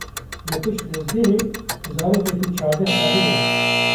Li pişt dezgehê zarokekî çardeh salî hebû.